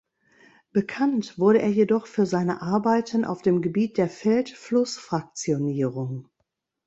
Bekannt wurde er jedoch für seine Arbeiten auf dem Gebiet der Feld-Fluss-Fraktionierung.